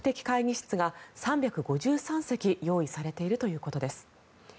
会議室が３５３席用意されているということです。